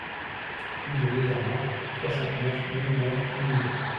Rue des Deux Amants, soixante-neuf mille neuf Lyon